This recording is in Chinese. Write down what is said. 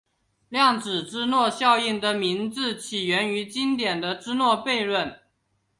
量子芝诺效应的名字起源于经典的芝诺悖论。